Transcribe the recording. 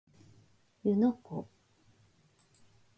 湯ノ湖